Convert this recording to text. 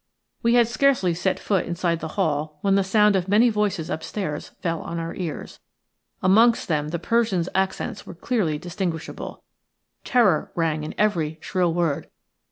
We had scarcely set foot inside the hall when the sound of many voices upstairs fell on our ears. Amongst them the Persian's accents were clearly distinguishable, Terror rang in every shrill word.